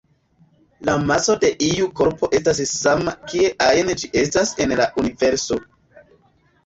La maso de iu korpo estas sama kie ajn ĝi estas en la universo.